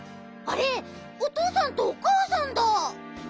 あれおとうさんとおかあさんだ。